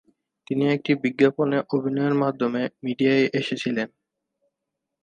তিনি একটি বিজ্ঞাপনে অভিনয়ের মাধ্যমে মিডিয়ায় এসেছিলেন।